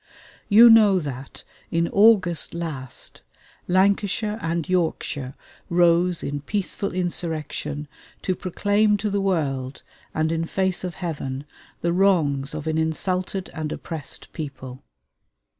You know that in August last, Lancashire and Yorkshire rose in peaceful insurrection to proclaim to the world, and in face of Heaven, the wrongs of an insulted and oppressed people.